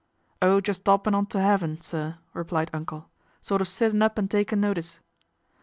" Oh, just 'oppin' on to 'eaven, sir," replied Uncle. " Sort of sittin' up an' takin' notice."